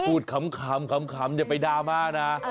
พูดขำอย่าไปด่ามานะ